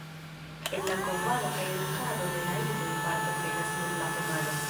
En la kovado kaj edukado de la idoj partoprenas nur la femalo.